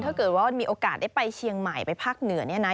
ถ้าเกิดว่ามีโอกาสได้ไปเชียงใหม่ไปภาคเหนือเนี่ยนะ